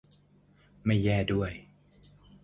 ไม่แย่ด้วย